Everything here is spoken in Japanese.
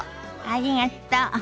ありがと。